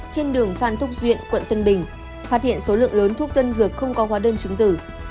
trên đường phàn thúc duyện quận tân bình phát hiện số lượng lớn thuốc tân dược không có hóa đơn chứng tử